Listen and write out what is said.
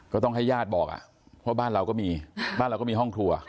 ก็ต้องให้ญาติบอกเพราะบ้านเราก็มีบ้านเราก็มีห้องครัว